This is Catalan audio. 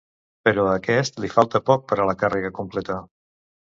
Però a aquest li falta poc per a la càrrega completa.